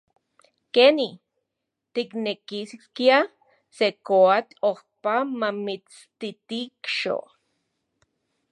¡Keni! ¿tiknekiskia se koatl ojpa mamitstitixo?